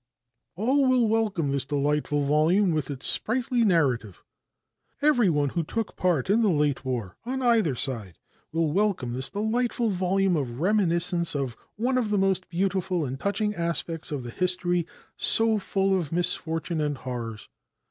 All Will "Welcome This Delightful Volume With Its Sprightly Narrative." Everyone who took part in the late war, on either side, will welcome this delightful volume of reminiscence of one of the most beautiful and touching aspects of that history so full of misfortune and horrors.